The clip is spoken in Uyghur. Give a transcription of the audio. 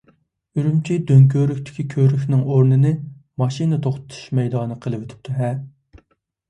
ئۈرۈمچى دۆڭكۆۋرۈكتىكى كۆۋرۈكنىڭ ئورنىنى ماشىنا توختىتىش مەيدانى قىلىۋېتىپتۇ-ھە.